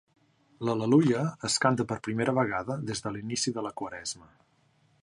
L'Al·leluia es canta per primera vegada des de l'inici de la Quaresma.